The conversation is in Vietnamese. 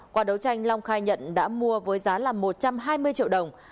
qua đấu tranh long khai nhận đã mua với giá là một trăm hai mươi triệu đồng